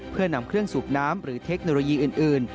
เพื่อนำเครื่องสูบน้ำหรือเทคโนโลยีอื่น